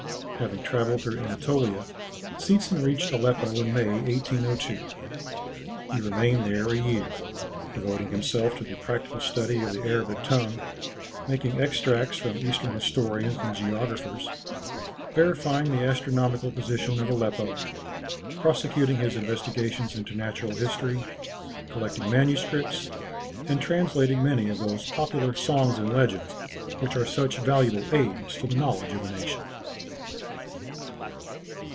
Having travelled through Anatolia, Seetzen reached Aleppo in May, 1802. He remained there a year, devoting himself to the practical study of the Arabic tongue, making extracts from Eastern historians and geographers, verifying the astronomical position of Aleppo, prosecuting his investigations into natural history, collecting manuscripts, and translating many of those popular songs and legends which are such valuable aids to the knowledge of a nation.